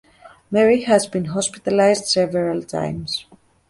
Mary has been hospitalized several times.